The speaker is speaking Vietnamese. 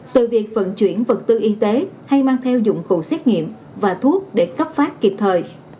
từ việc vận chuyển vật tư y tế hay mang theo dụng cụ xét nghiệm và thuốc để cấp phát kịp thời